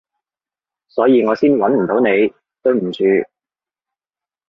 所以我先搵唔到你，對唔住